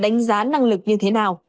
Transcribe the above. như thế nào